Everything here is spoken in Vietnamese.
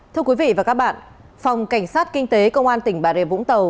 thưa quý vị và các bạn phòng cảnh sát kinh tế công an tỉnh bà rệ vũng tàu